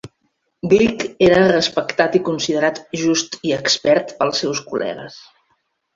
Glick era respectat i considerat "just i expert" pels seus col·legues.